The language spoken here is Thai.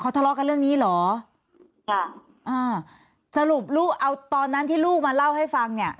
ทะเลาะกันเรื่องนี้เหรอจ้ะอ่าสรุปลูกเอาตอนนั้นที่ลูกมาเล่าให้ฟังเนี่ย